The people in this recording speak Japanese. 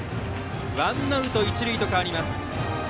ワンアウト、一塁へと変わります。